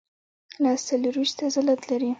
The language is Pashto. لاس څلورویشت عضلات لري.